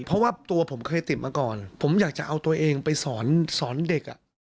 เพราะว่าตัวผมเคยติดมาก่อนผมอยากจะเอาตัวเองไปสอนเด็ก